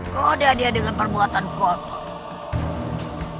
koda dia dengan perbuatan kotor